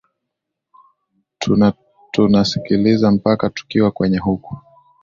tuna tunasikiliza mpaka tukiwa kenya huku